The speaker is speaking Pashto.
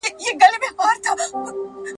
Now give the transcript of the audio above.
مالی منابع د کورنۍ د ثبات لپاره د پلار فکر دی.